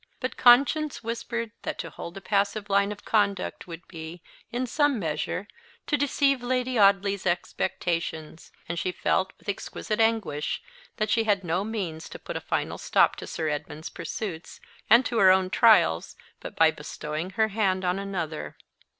But conscience whispered that to hold a passive line of conduct would be, in some measure, to deceive Lady Audley's expectations; and she felt, with exquisite anguish, that she had no means to put a final stop to Sir Edmund's pursuits, and to her own trials, but by bestowing her hand on another.